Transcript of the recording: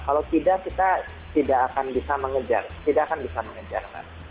kita tidak akan bisa mengejar tidak akan bisa mengejar